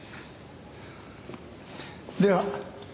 では。